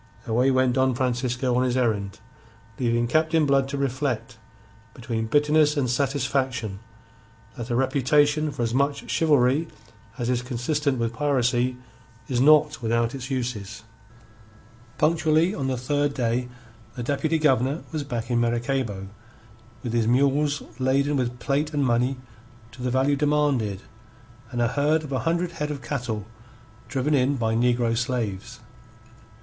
Away went Don Francisco on his errand, leaving Captain Blood to reflect, between bitterness and satisfaction, that a reputation for as much chivalry as is consistent with piracy is not without its uses. Punctually on the third day the Deputy Governor was back in Maracaybo with his mules laden with plate and money to the value demanded and a herd of a hundred head of cattle driven in by negro slaves.